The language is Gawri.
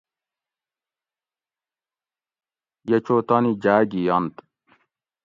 یہ چو تانی جاۤ گی ینت